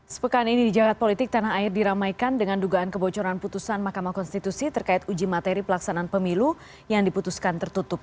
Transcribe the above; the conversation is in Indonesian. sepekan ini di jagad politik tanah air diramaikan dengan dugaan kebocoran putusan mahkamah konstitusi terkait uji materi pelaksanaan pemilu yang diputuskan tertutup